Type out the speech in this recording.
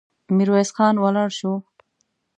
ميرويس خان ولاړ شو.